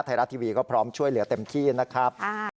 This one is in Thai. ไทยรัฐทีวีก็พร้อมช่วยเหลือเต็มที่นะครับ